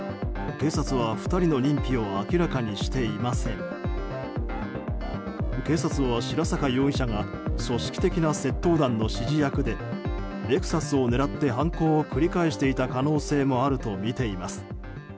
警察は、白坂容疑者が組織的な窃盗団の指示役でレクサスを狙って犯行を繰り返していた可能性もあるとみています。